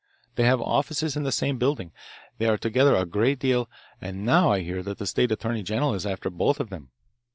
They have offices in the same building, they are together a great deal, and now I hear that the state attorney general is after both of them."